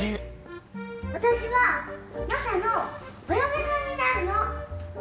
私はマサのお嫁さんになるの！